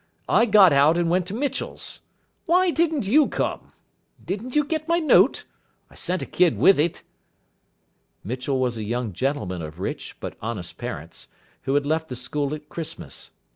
I got out, and went to Mitchell's. Why didn't you come? Didn't you get my note? I sent a kid with it." Mitchell was a young gentleman of rich but honest parents, who had left the school at Christmas.